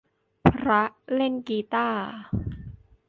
พระเล่นกีตาร์